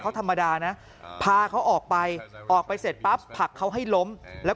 เขาธรรมดานะพาเขาออกไปออกไปเสร็จปั๊บผลักเขาให้ล้มแล้ว